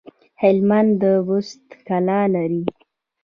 هلمند د بست کلا لري